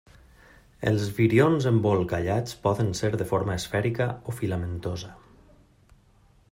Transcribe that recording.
Els virions embolcallats poden ser de forma esfèrica o filamentosa.